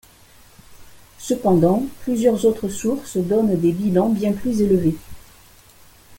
Cependant plusieurs autres sources donnent des bilans bien plus élevés.